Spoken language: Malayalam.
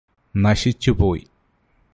നശിച്ചുപോയി